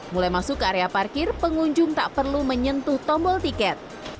mulai masuk ke area parkir pengunjung tak perlu menyentuh tombol tiket